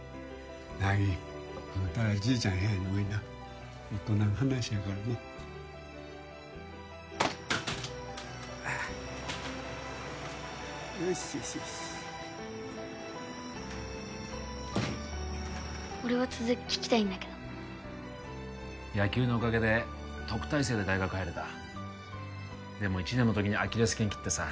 なぎ食べたらじいちゃんの部屋においな大人の話やからなああよしよしよし俺は続き聞きたいんだけど野球のおかげで特待生で大学入れたでも１年の時にアキレス腱切ってさ